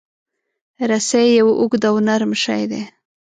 رسۍ یو اوږد او نرم شی دی.